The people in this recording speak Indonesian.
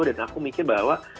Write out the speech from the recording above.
dan aku mikir bahwa